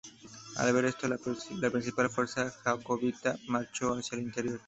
Al ver esto, la principal fuerza jacobita marchó hacia el interior.